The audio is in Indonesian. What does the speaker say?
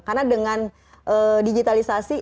karena dengan digitalisasi